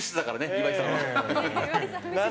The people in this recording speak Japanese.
岩井さん。